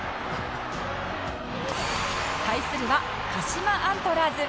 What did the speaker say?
対するは鹿島アントラーズ